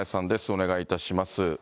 お願いいたします。